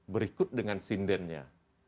berikut dengan sindennya